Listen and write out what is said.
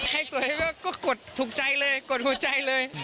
ใครสวยก็กดถูกใจเลยกดหัวใจเลย